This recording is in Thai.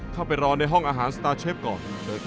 เข้าไปรอในห้องอาหารสตาร์เชฟก่อน